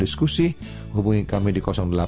diskusi hubungi kami di